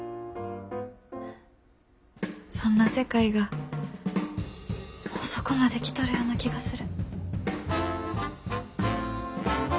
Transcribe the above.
そんな世界がもうそこまで来とるような気がする。